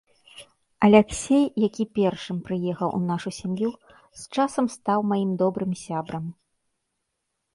Аляксей, які першым прыехаў у нашу сям'ю, з часам стаў маім добрым сябрам.